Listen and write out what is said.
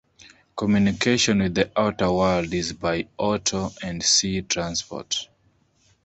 Communication with the outer world is by auto and sea transport.